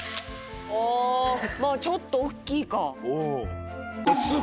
あまあちょっと大きいか。